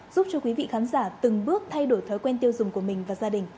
giúp cho quý vị khán giả từng bước thay đổi thói quen tiêu dùng của mình và gia đình